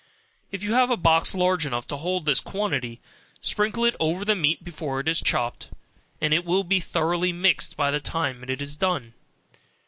If you have a box large enough to hold this quantity, sprinkle it over the meat before it is chopped, and it will be thoroughly mixed by the time it is done.